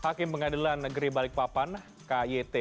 hakim pengadilan negeri balikpapan kyt